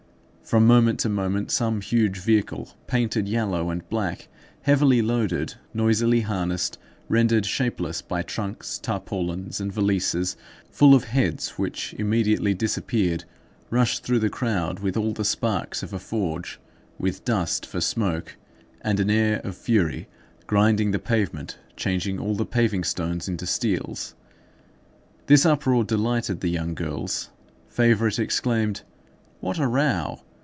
From moment to moment, some huge vehicle, painted yellow and black, heavily loaded, noisily harnessed, rendered shapeless by trunks, tarpaulins, and valises, full of heads which immediately disappeared, rushed through the crowd with all the sparks of a forge, with dust for smoke, and an air of fury, grinding the pavements, changing all the paving stones into steels. This uproar delighted the young girls. Favourite exclaimed:— "What a row!